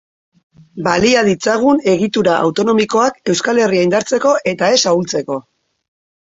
Balia ditzagun egitura autonomikoak Euskal Herria indartzeko eta ez ahultzeko.